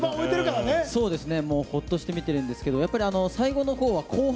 もうほっとして見てるんですけど最後のほうは「紅白」